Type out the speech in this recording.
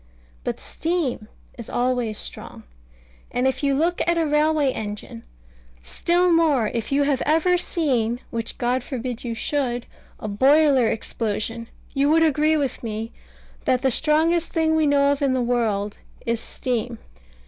But steam is always strong. And if you look at a railway engine, still more if you had ever seen which God forbid you should a boiler explosion, you would agree with me, that the strongest thing we know of in the world is steam.